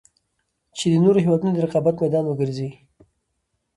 چـې د نـورو هېـوادونـو د رقـابـت مـيدان وګـرځـي.